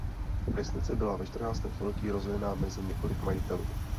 Vesnice byla ve čtrnáctém století rozdělena mezi několik majitelů.